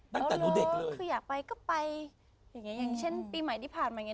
ตั้งแต่หนูเด็กเลยคืออยากไปก็ไปอย่างเงี้ยอย่างเช่นปีใหม่ที่ผ่านมาอย่างเงี้ย